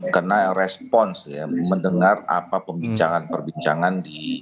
karena respons ya mendengar apa pembicaraan perbincangan di